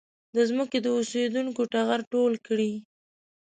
د ځمکې د اوسېدونکو ټغر ټول کړي.